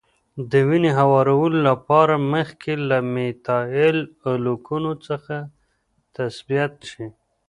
د وینې هموارولو لپاره مخکې له میتایل الکولو څخه تثبیت شي.